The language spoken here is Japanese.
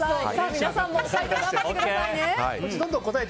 皆さんも頑張ってくださいね。